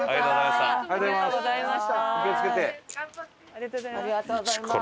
ありがとうございます。